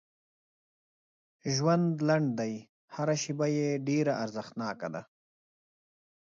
ژوند لنډ دی هر شیبه یې ډېره ارزښتناکه ده